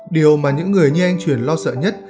điều mà những người như anh truyền lo sợ nhất